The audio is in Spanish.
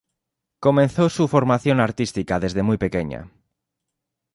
Comenzó su formación artística desde muy pequeña.